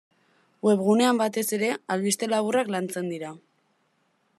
Webgunean batez ere albiste laburrak lantzen dira.